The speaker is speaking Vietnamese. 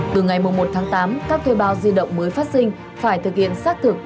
từ ngày một tháng tám các thuê bao di động mới phát sinh phải thực hiện xác thực